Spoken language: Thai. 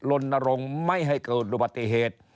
ลนรงค์ไม่ให้เกิดอุบัติเหตุ